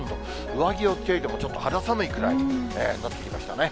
上着を着ていてもちょっと肌寒いくらいになってきましたね。